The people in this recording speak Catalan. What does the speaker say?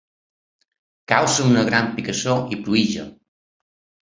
Causen una gran picassor i pruïja.